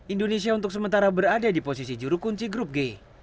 indonesia untuk sementara berada di posisi juru kunci grup g